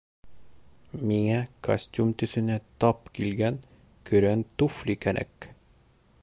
Миңә костюм төҫөнә тап килгән көрән туфли кәрәк